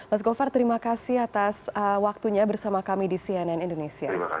mas govar terima kasih atas waktunya bersama kami di cnn indonesia